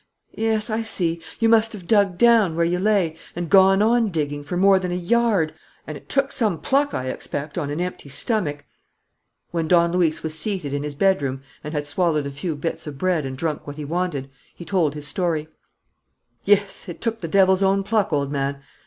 Yes, I see: you must have dug down, where you lay, and gone on digging for more than a yard! And it took some pluck, I expect, on an empty stomach!" When Don Luis was seated in his bedroom and had swallowed a few bits of bread and drunk what he wanted, he told his story: "Yes, it took the devil's own pluck, old man.